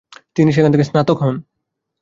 তিনি সেখান থেকে স্নাতক হন।